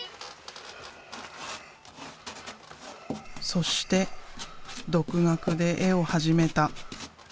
そして独学で絵を始めた。